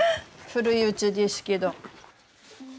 古いうちですけど。